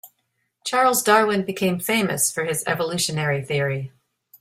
Charles Darwin became famous for his evolutionary theory.